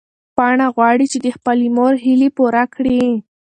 پاڼه غواړي چې د خپلې مور هیلې پوره کړي.